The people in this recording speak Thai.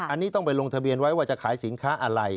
อันนี้ต้องไปลงทะเบียนไว้ว่าจะขายสินค้าอะไร